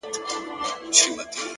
هوښیار انتخاب اوږدمهاله ګټه لري.!